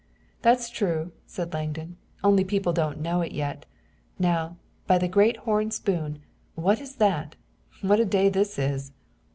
"That's true," said Langdon, "only people don't know it yet. Now, by the great horn spoon, what is that? What a day this is!"